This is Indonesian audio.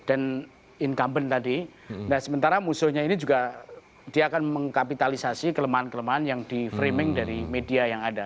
dan incumbent tadi nah sementara musuhnya ini juga dia akan mengkapitalisasi kelemahan kelemahan yang di framing dari media yang ada